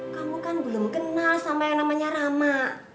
kamu kan belum kenal sama yang namanya rama